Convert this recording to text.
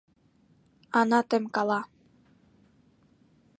Ана темкала.